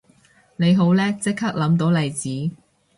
你好叻即刻諗到例子